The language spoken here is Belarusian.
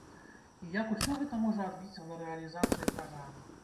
І як усё гэта можа адбіцца на рэалізацыі праграмы?